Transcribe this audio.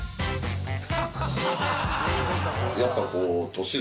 やっぱこう。